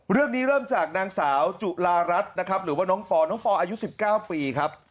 เรื่องนี้เริ่มจากนางสาวจุลารัฐนะครับหรือว่าน้องปอน้องปออายุ๑๙ปีครับ